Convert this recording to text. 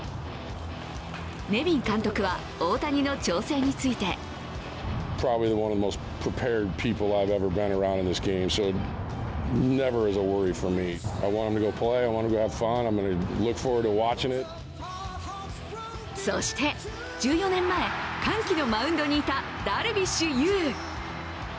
ネビン監督は大谷の調整についてそして、１４年前、歓喜のマウンドにいたダルビッシュ有。